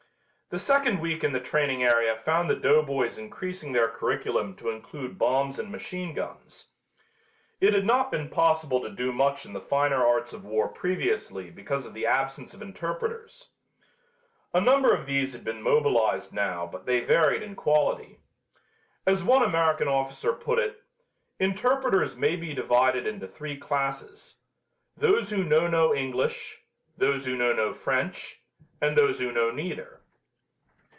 The second week in the training area found the doughboys increasing their curriculum to include bombs and machine guns. It had not been possible to do much in the finer arts of war previously because of the absence of interpreters. A number of these had been mobilized now but they varied in quality. As one American officer put it, "Interpreters may be divided into three classes: those who know no English; those who know no French; and those who know neither."